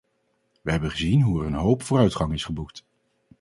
Wij hebben gezien hoe er een hoop vooruitgang is geboekt.